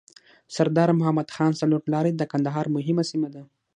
سردار مدد خان څلور لاری د کندهار مهمه سیمه ده.